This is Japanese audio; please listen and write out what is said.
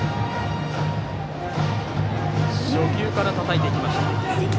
初球からたたいていきました。